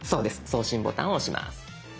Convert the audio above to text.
送信ボタンを押します。